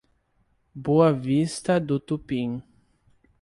Boa Vista do Tupim